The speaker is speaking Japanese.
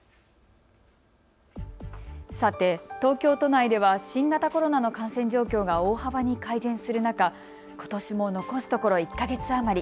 さて、東京都内では新型コロナの感染状況が大幅に改善する中、ことしも残すところ１か月余り。